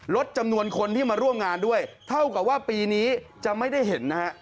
ลดจำนวนคนที่มาร่วมงานด้วยเท่ากับว่าปีนี้จะไม่ได้เห็นนะฮะ